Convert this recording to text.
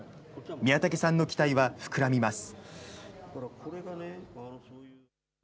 宮武さんの期待は膨らみます。